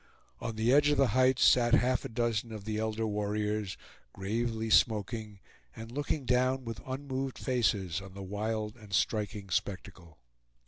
On the edge of the heights sat half a dozen of the elder warriors, gravely smoking and looking down with unmoved faces on the wild and striking spectacle.